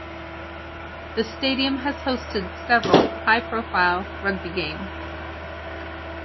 The stadium has hosted several high profile rugby games.